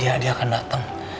iya dia akan datang